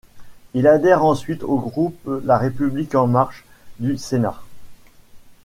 Il adhère ensuite au groupe La République En Marche du Sénat.